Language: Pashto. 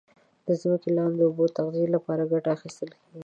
د ځمکې لاندي اوبو د تغذیه لپاره کټه اخیستل کیږي.